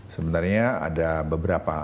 sebenarnya ada beberapa